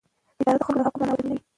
اداره د خلکو د حقونو درناوی تضمینوي.